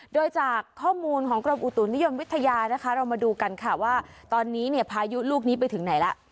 โดยจากข้อมูลของกรมอุตุนิยมวิทยานะคะเรามาดูกันค่ะว่าตอนนี้เนี่ยพายุลูกนี้ไปถึงไหนล่ะ